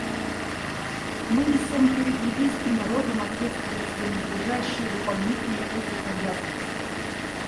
Мы несем перед ливийским народом ответственность за надлежащее выполнение этих обязанностей.